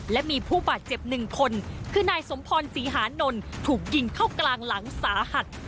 และมีผู้บาดเจ็บหนึ่งคนคือนายสมพรศรีหานนท์ถูกยิงเข้ากลางหลังสาหัส